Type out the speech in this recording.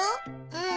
うん。